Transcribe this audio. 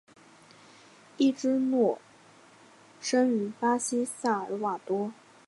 伊芝诺生于巴西萨尔瓦多。